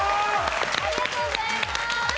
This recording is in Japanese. ありがとうございます！